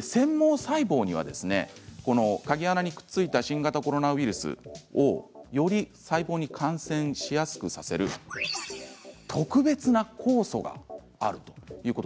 繊毛細胞にはこの鍵穴にくっついた新型コロナウイルスをより細胞に感染しやすくさせる特別な酵素があるということ。